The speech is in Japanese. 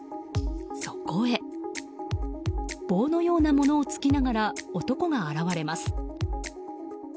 そこへ棒のようなものを突きながら男が現れます。